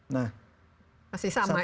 nah satu banding